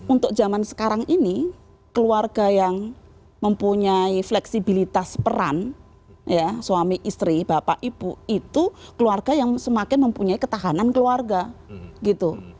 untuk zaman sekarang ini keluarga yang mempunyai fleksibilitas peran suami istri bapak ibu itu keluarga yang semakin mempunyai ketahanan keluarga gitu